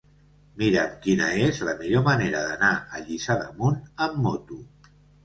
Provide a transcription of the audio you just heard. Mira'm quina és la millor manera d'anar a Lliçà d'Amunt amb moto.